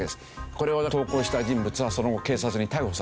これを投稿した人物はその後警察に逮捕されてます。